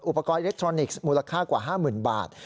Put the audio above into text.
อุปกรณ์อิเล็กทรอนิกส์มูลค่ากว่า๕๐๐๐บาท